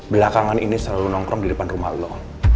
belakangan ini selalu nongkrong di depan rumah allah